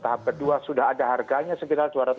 tahap kedua sudah ada harganya sekitar